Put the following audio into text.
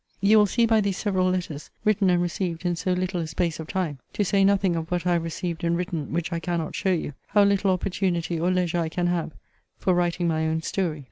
You will see by these several Letters, written and received in so little a space of time (to say nothing of what I have received and written which I cannot show you,) how little opportunity or leisure I can have for writing my own story.